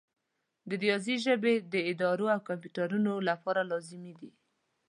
د ریاضي ژبه د ادارو او کمپیوټرونو لپاره لازمي ده.